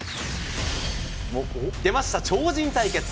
出ました、超人対決。